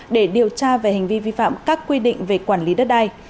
để điều tra về hành vi vi phạm các quy định về quản lý đất đai